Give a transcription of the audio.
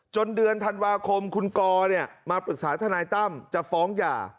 เดือนธันวาคมคุณกอมาปรึกษาทนายตั้มจะฟ้องหย่า